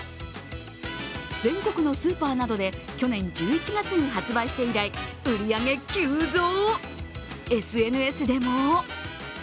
全国のスーパーなどで去年１１月に発売して以来、売り上げ急増。